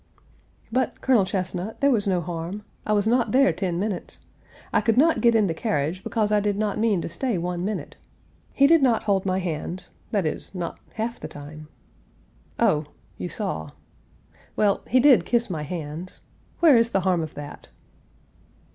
"But, Colonel Chesnut, there was no harm. I was not there ten minutes. I could not get in the carriage because I did not mean to stay one minute. He did not hold my hands that is, not half the time Oh, you saw! well, he did kiss my hands. Where is the harm of that?"